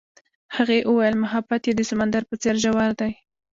هغې وویل محبت یې د سمندر په څېر ژور دی.